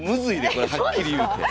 これはっきり言うて。